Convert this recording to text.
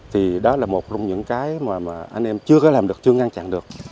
thì đó là một trong những cái mà anh em chưa có làm được chưa ngăn chặn được